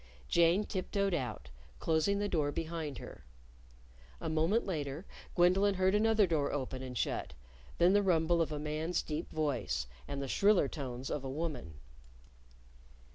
Jane tiptoed out, closing the door behind her. A moment later Gwendolyn heard another door open and shut, then the rumble of a man's deep voice, and the shriller tones of a woman.